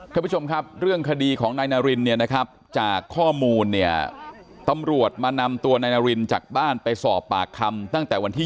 ท่านผู้ชมครับเรื่องคดีของนายนารินเนี่ยนะครับจากข้อมูลเนี่ยตำรวจมานำตัวนายนารินจากบ้านไปสอบปากคำตั้งแต่วันที่